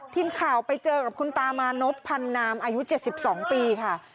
ทีมข่าวไปเจอกับคุณตามานพพันนามอายุ๗๒ปีค่ะ